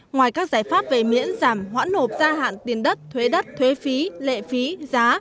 ngoài các giải pháp về miễn giảm hoãn nộp gia hạn tiền đất thuế đất thuế phí lệ phí giá